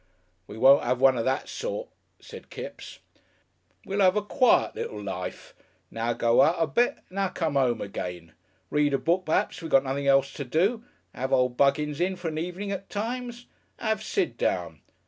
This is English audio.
"We won't 'ave one of that sort," said Kipps.... "We'll 'ave a quiet little life. Now go out a bit now come 'ome again. Read a book perhaps if we got nothing else to do. 'Ave old Buggins in for an evening at times. 'Ave Sid down.